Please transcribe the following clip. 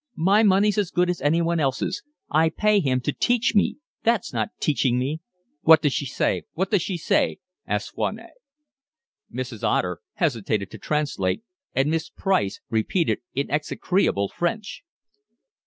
My money's as good as anyone else's. I pay him to teach me. That's not teaching me." "What does she say? What does she say?" asked Foinet. Mrs. Otter hesitated to translate, and Miss Price repeated in execrable French.